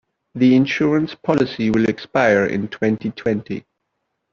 The insurance policy will expire in twenty-twenty.